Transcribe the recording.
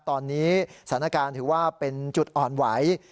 ตอนนี้สถานการณ์ถือว่าเป็นจุดอ่อนไหว